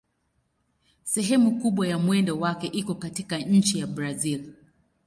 Sehemu kubwa ya mwendo wake iko katika nchi ya Brazil.